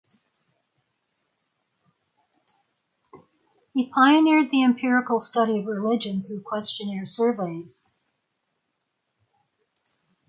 He pioneered the empirical study of religion through questionnaire surveys.